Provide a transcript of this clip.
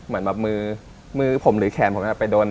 เหมือนแบบมือมือผมหรือแขนผมไปโดน